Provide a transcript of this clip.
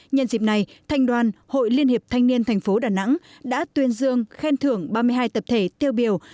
nhân dịp này thành đoàn hội liên hiệp thanh niên thành phố đà nẵng đã tuyên dương khen thưởng ba mươi hai tập thể tiêu biểu